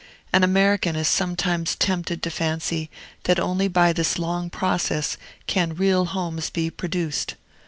An American is sometimes tempted to fancy that only by this long process can real homes be produced.